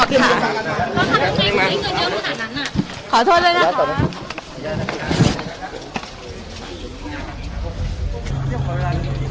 ขออนุญาตกันนะครับ